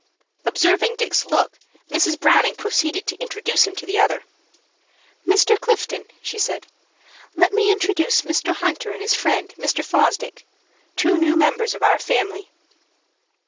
Observing Dick's look, Mrs. Browning proceeded to introduce him to the other. "Mr. Clifton," she said, "let me introduce Mr. Hunter and his friend, Mr. Fosdick, two new members of our family."